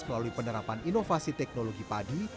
melalui penerapan inovasi teknologi padi